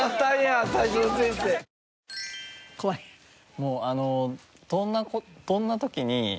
もうあのどんな時に。